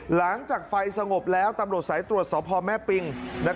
หลังจากไฟสงบแล้วตำรวจสายตรวจสพแม่ปิง